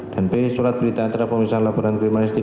dan beri surat berita acara pengisian laporan kriminalistik